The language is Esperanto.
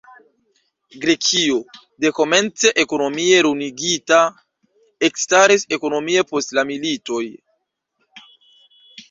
Grekio, dekomence ekonomie ruinigita, ekstaris ekonomie post la militoj.